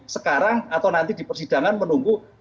sekarang atau nanti di persidangan menunggu